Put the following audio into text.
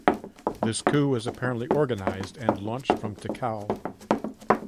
This coup was apparently organized and launched from Tikal.